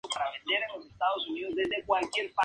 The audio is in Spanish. Se puede encontrar en la mayoría de distribuciones Linux.